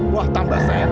wah tambah sayang